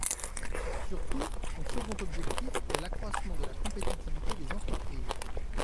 Surtout, son second objectif est l’accroissement de la compétitivité des entreprises.